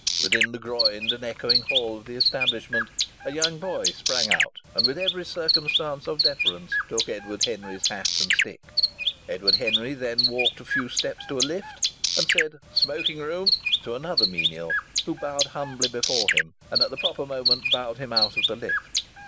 Within the groined and echoing hall of the establishment a young boy sprang out and, with every circumstance of deference, took Edward Henry's hat and stick. Edward Henry then walked a few steps to a lift, and said "smoking room" to another menial, who bowed humbly before him, and at the proper moment bowed him out of the lift.